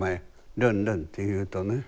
ルンルン」って言うとね